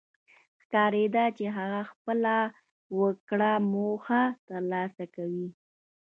ښکارېده چې هغه خپله ورکړه موخه تر لاسه کوي.